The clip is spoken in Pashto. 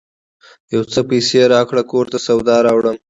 یو څه پیسې راکړه ! کور ته سودا راوړم